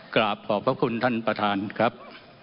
กราบขอบพระคุณท่านประธานครับ